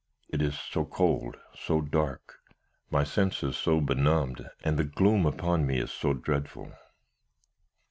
It is so cold, so dark, my senses are so benumbed, and the gloom upon me is so dreadful.